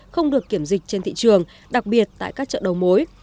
không được kiểm dịch trên thị trường đặc biệt tại các chợ đầu mối